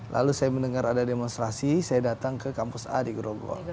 lalu saya mendengar ada demonstrasi saya datang ke kampus a di grogol